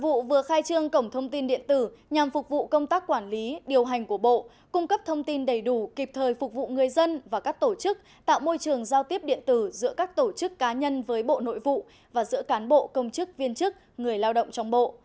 bộ vừa khai trương cổng thông tin điện tử nhằm phục vụ công tác quản lý điều hành của bộ cung cấp thông tin đầy đủ kịp thời phục vụ người dân và các tổ chức tạo môi trường giao tiếp điện tử giữa các tổ chức cá nhân với bộ nội vụ và giữa cán bộ công chức viên chức người lao động trong bộ